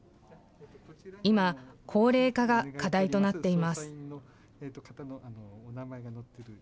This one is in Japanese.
今、高齢化が課題となっています。